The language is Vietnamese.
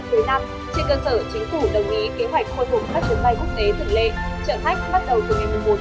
trên cơ sở chính phủ đồng ý kế hoạch khôi phục các trường bay quốc tế tưởng lệ trợ khách